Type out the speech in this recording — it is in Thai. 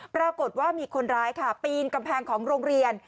ปรากฏว่ามีคนร้ายค่ะปีนกำแพงของโรงเรียน